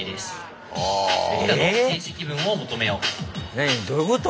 何どういうこと？